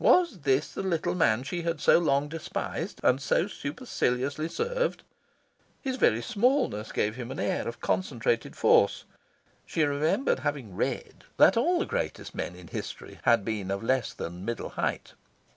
Was this the little man she had so long despised, and so superciliously served? His very smallness gave him an air of concentrated force. She remembered having read that all the greatest men in history had been of less than the middle height.